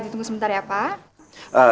ditunggu sebentar ya pak